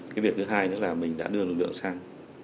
cái việc thứ hai nữa là mình đã đưa lực lượng sang